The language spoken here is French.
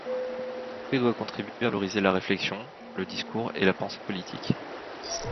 Le prix doit contribuer à valoriser la réflexion, le discours et la pensée politiques.